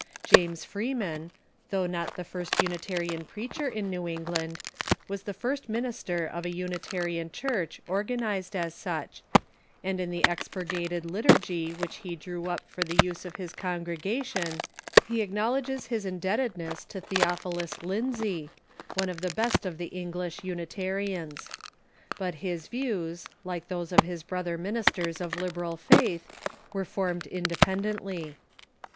James Freeman, though not the first Unitarian preacher in New England, was the first minister of a Unitarian Church organized as such ; and in the expurgated liturgy which he drew up for the use of his con gregation he acknowledges his indebtedness to Theophilus Lindsey, one of the best of the English Unitarians. But his views, like those of his brother ministers of the liberal faith, were formed independently.